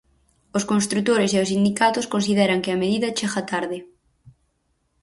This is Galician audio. Os construtores e os sindicatos consideran que a medida chega tarde.